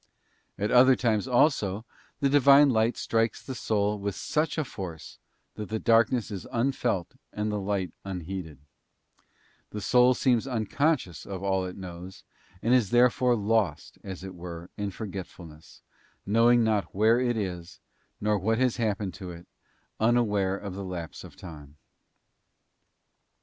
At other times, also, the Divine Light strikes the soul with such force that the darkness is unfelt and the light unheeded ; the soul seems unconscious of all it knows, and is therefore lost, as it were, in forgetfulness, knowing not wiere it is, nor what has happened to it, unaware of the lapse of time.